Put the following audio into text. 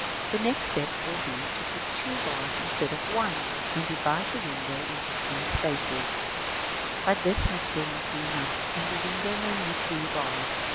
The next step will be to put two bars instead of one, and divide the window into three spaces as at d. But this may still not be enough, and the window may need three bars.